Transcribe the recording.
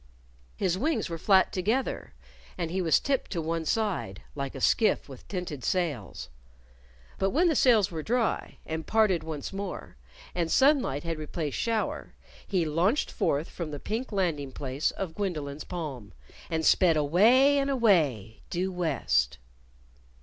His wings were flat together and he was tipped to one side, like a skiff with tinted sails. But when the sails were dry, and parted once more, and sunlight had replaced shower, he launched forth from the pink landing place of Gwendolyn's palm and sped away and away, due west!